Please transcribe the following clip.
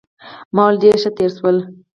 ما وویل ډېره ښه تېره شول.